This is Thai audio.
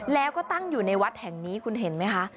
แล้วก็ตั้งอยู่ในวัดแห่งนี้คุณเห็นไหมคะ